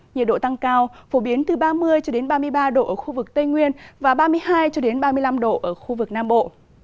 nhiệt độ tăng cao phổ biến từ ba mươi cho đến ba mươi ba độ ở khu vực tây nguyên và ba mươi hai cho đến ba mươi năm độ ở khu vực nam bộ